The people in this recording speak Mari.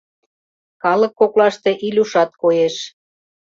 Калык коклаште Илюшат коеш.